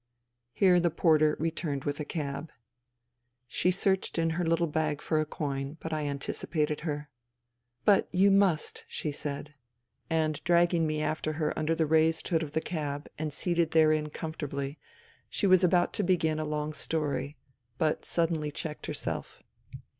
Here the porter returned with a cab. She searched in her httle bag for a coin, but I anticipated her. " But you must," she said. And dragging me after her under the raised hood of the cab and seated therein comfortably she was about to begin a long story, but suddenly checked herself.